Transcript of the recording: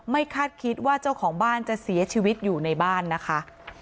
คาดคิดว่าเจ้าของบ้านจะเสียชีวิตอยู่ในบ้านนะคะ